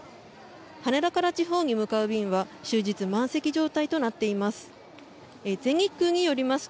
羽田から地方に向かう便は終日満席状態となっています。